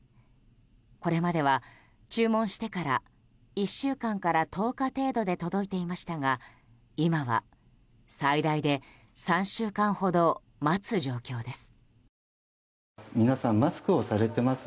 これまでは注文してから１週間から１０日程度で届いていましたが今は、最大で３週間ほど待つ状況です。